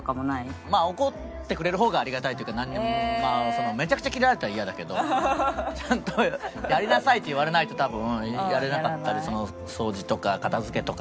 まあ怒ってくれる方がありがたいというかなんにもまあめちゃくちゃキレられたらイヤだけど「ちゃんとやりなさい」って言われないと多分やれなかったり掃除とか片付けとかも。